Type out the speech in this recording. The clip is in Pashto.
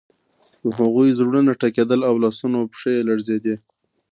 د هغوی زړونه ټکیدل او لاسونه او پښې یې لړزیدې